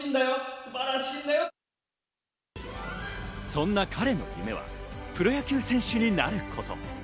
そんな彼の夢はプロ野球選手になること。